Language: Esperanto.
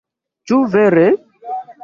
Ĉu vere?...